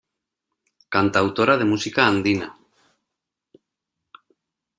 Cantautora de música andina.